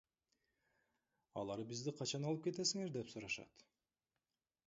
Алар бизди качан алып кетесиңер деп сурашат.